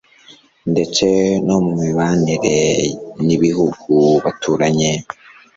ndetse no mu mibanire n'ibihugu baturanye